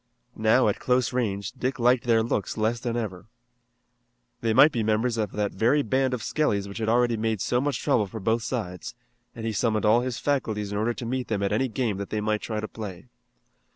Now at close range, Dick liked their looks less than ever. They might be members of that very band of Skelly's which had already made so much trouble for both sides, and he summoned all his faculties in order to meet them at any game that they might try to play.